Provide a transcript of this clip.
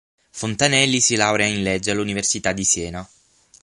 Fontanelli si laurea in Legge all'Università di Siena.